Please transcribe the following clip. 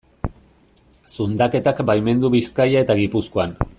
Zundaketak baimendu Bizkaia eta Gipuzkoan.